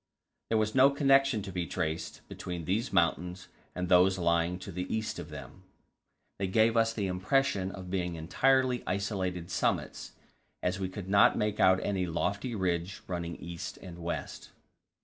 There was no connection to be traced between these mountains and those lying to the east of them; they gave us the impression of being entirely isolated summits, as we could not make out any lofty ridge running east and west.